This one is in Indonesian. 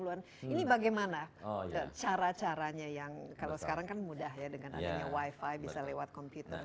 ini bagaimana cara caranya yang kalau sekarang kan mudah ya dengan adanya wifi bisa lewat komputer